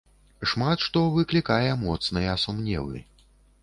Шмат што выклікае моцныя сумневы.